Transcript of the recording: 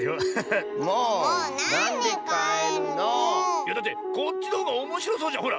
いやだってこっちのほうがおもしろそうじゃんほら。